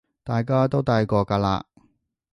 大家都大個㗎喇